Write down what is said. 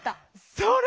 それ！